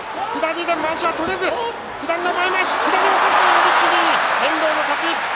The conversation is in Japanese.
寄り切り、遠藤の勝ち。